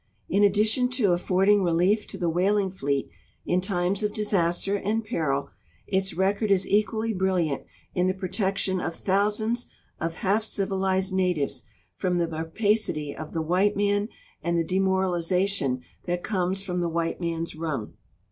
In addi tion to affording relief to the whaling fleet in times of disaster and peril, its record is equally brilliant in the protection of thou sands of half civilized natives from the rai)acity of the white man and the demoralization that comes from the white man's rum.